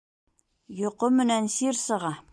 Йоҡо менән сир сыға.